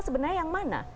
sebenarnya yang mana